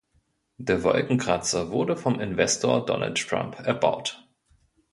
Der Wolkenkratzer wurde vom Investor Donald Trump erbaut.